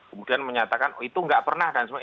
kemudian menyatakan oh itu nggak pernah dan sebagainya